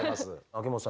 秋元さん